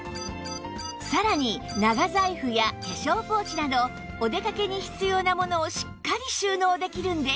さらに長財布や化粧ポーチなどお出かけに必要なものをしっかり収納できるんです